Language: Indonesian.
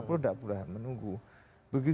perut tidak pulang menunggu begitu